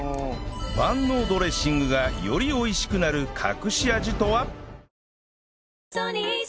万能ドレッシングがより美味しくなる隠し味とは？